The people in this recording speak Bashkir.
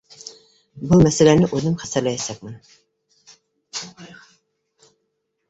Был мәсьәләне үҙем хәстәрләйәсәкмен.